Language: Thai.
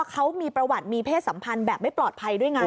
เขามีประวัติมีเพศสัมพันธ์แบบไม่ปลอดภัยด้วยไง